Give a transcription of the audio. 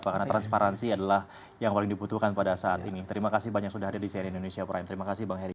karena transparansi adalah yang paling dibutuhkan pada saat ini terima kasih banyak sudah hadir di cn indonesia prime terima kasih bang heri